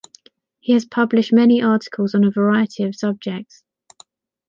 He has published many articles on a variety of subjects.